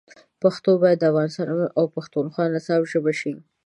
پښتو باید د افغانستان او پښتونخوا د نصاب ژبه شي.